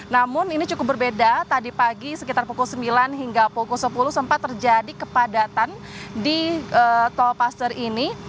namun ini cukup berbeda tadi pagi sekitar pukul sembilan hingga pukul sepuluh sempat terjadi kepadatan di tol paster ini